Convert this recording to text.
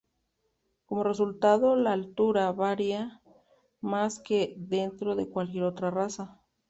Como resultado, la altura varía más que dentro de cualquier otra raza.